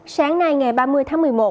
sáng nay ngày ba mươi tháng một mươi một